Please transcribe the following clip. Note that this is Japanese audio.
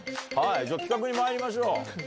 じゃあ企画にまいりましょう。